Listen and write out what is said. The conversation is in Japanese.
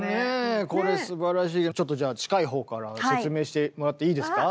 これすばらしいちょっとじゃあ近い方から説明してもらっていいですか？